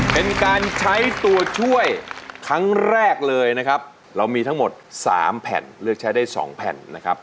เป็นการใช้ตัวช่วยครั้งแรกเลยนะครับเรามีทั้งหมด๓แผ่นเลือกใช้ได้๒แผ่นนะครับ